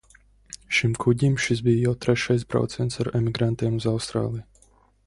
Šim kuģim šis bija jau trešais brauciens ar emigrantiem uz Austrāliju.